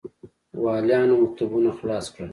والیانو مکتوبونه خلاص کړل.